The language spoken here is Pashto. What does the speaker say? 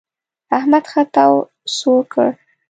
احمد ښه تاو سوړ کړ.